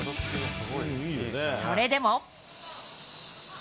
それでも。